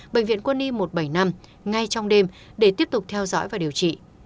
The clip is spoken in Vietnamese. bệnh viện quân y một trăm bảy mươi năm ngay trong đêm để tiếp tục theo dõi và điều trị